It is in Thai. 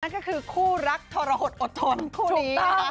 ก็คือคู่รักทรหดอดทนคู่นี้